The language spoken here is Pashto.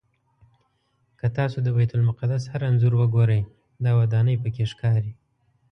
که تاسو د بیت المقدس هر انځور وګورئ دا ودانۍ پکې ښکاري.